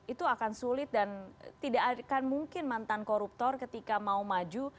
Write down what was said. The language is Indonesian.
itu akan sulit dan tidak akan mungkin mantan koruptor ketika mau maju